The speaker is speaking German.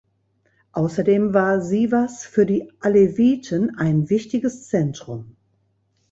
Außerdem war Sivas für die Aleviten ein wichtiges Zentrum.